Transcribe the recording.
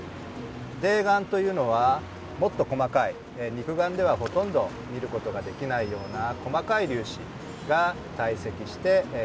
泥岩というのはもっと細かい肉眼ではほとんど見ることができないような細かい粒子が堆積して固まった石になります。